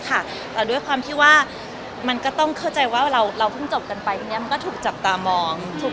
แต่ด้วยความที่ว่ามันก็ต้องเข้าใจว่าเราเพิ่งจบกันไปทีนี้มันก็ถูกจับตามอง